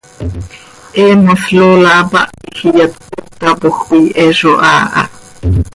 He mos Lola hapáh quij iyat cöcoocapoj coi, he zo haa ha.